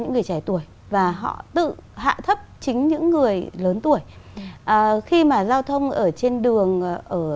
những người trẻ tuổi và họ tự hạ thấp chính những người lớn tuổi khi mà giao thông ở trên đường ở